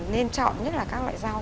nên chọn nhất là các loại rau